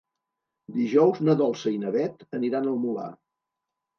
Dijous na Dolça i na Beth aniran al Molar.